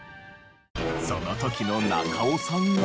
その時の中尾さんが。